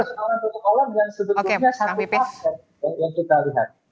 persoalan persoalan yang sebetulnya satu pasca yang kita lihat